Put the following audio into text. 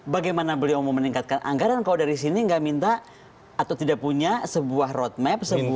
bagaimana beliau mau meningkatkan anggaran kalau dari sini nggak minta atau tidak punya sebuah roadmap